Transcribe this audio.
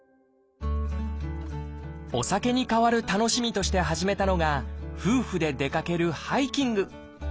お酒に代わる楽しみとして始めたのが夫婦で出かけるハイキング。